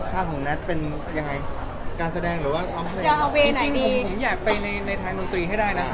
คือก็อยากไปในทางดนตรีให้ได้นะ